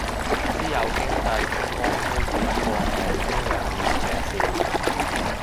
私有經濟充公都只不過係呢兩年嘅事